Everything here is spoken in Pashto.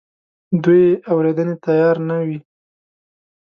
دوی یې اورېدنې ته تیار نه وي.